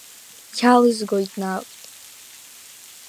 Иалызгоит наҟ…